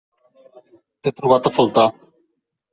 T'he trobat a faltar.